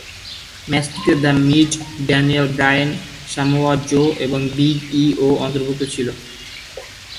ম্যাচটিতে the Miz, Daniel Bryan, Samoa Joe এবং big E ও অন্তর্ভুক্ত ছিল।